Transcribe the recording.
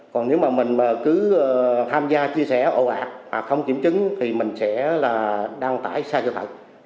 còn nếu mà mình cứ tham gia chia sẻ ồ ạt không kiểm chứng thì mình sẽ đăng tải sai cho thật